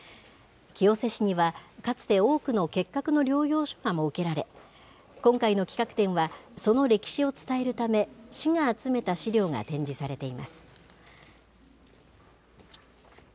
清瀬市には、かつて多くの結核の療養所が設けられ、今回の企画展は、その歴史を伝えるため、市が集めた資料が展示されています。